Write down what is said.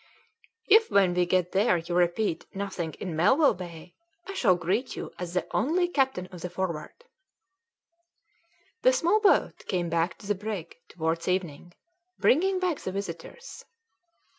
"If when we get there you repeat 'Nothing in Melville Bay,' I shall greet you as the only captain of the Forward." The small boat came back to the brig towards evening, bringing back the visitors.